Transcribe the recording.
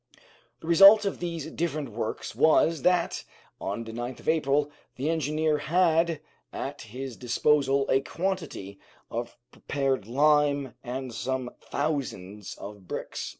The result of these different works was, that, on the 9th of April, the engineer had at his disposal a quantity of prepared lime and some thousands of bricks.